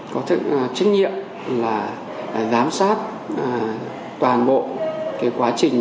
có trách nhiệm là giám sát toàn bộ cái quá trình